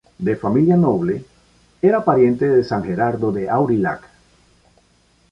De familia noble, era pariente de San Geraldo de Aurillac.